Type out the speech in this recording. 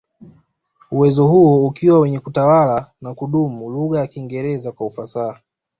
Uwezo huo ukiwa kwenye kutawala na kumudu lugha ya Kiingereza kwa ufasaha